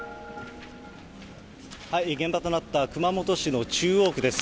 現場となった熊本市の中央区です。